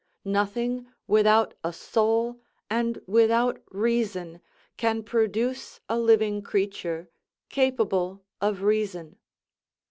Nothing without a soul and without reason can produce a living creature capable of reason.